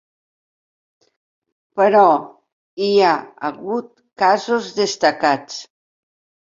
Però hi ha hagut casos destacats.